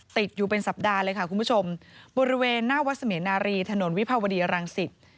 ติดอยู่เป็นสัปดาห์เลยค่ะคุณผู้ชมบริเวณหน้าวัดเสมียนารีถนนวิภาวดีรังสิต